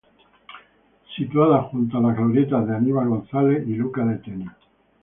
Situada junto a las glorietas de Aníbal González y Luca de Tena.